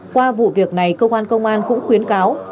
qua vụ việc này cơ quan công an cũng khuyến cáo